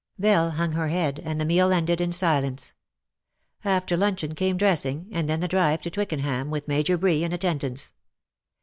^'' Belle hung her head, and the meal ended in silence. After luncheon came dressing, and then the drive to Twickenham, with Major Bree in attendance.